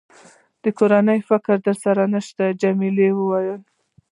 د کورنۍ فکر در سره نشته؟ جميلې وويل:.